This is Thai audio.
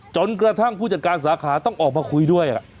จนกระทั่งผู้จัดการสาขาต้องออกมาคุยด้วย